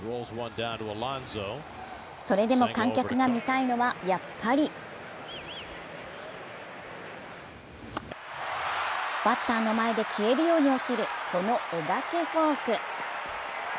それでも観客が見たいのは、やっぱりバッターの前で消えるように落ちるこのお化けフォーク。